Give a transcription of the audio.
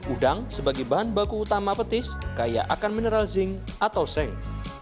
udang sebagai bahan baku utama petis kaya akan mineral zinc atau seng